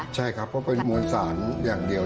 ใช่ครับเพราะเป็นมวลสารอย่างเดียว